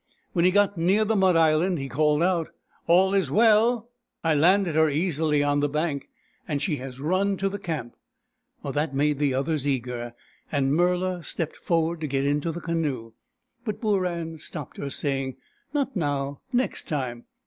When he got near the mud island he called out, "All is well! I 96 BOORAN, THE PELICAN landed her easily on the bank, and she has run to the camp." That made the others eager, and Murla stepped forward to get into the canoe. But Booran stopped her, saying, " Not now — next time